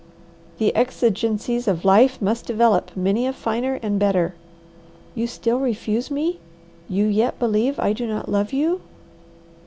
"The exigencies of life must develop many a finer and better." "You still refuse me? You yet believe I do not love you?"